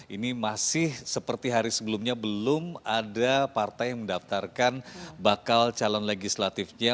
ini masih seperti hari sebelumnya belum ada partai yang mendaftarkan bakal calon legislatifnya